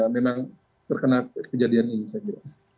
memang terkena kejadian ini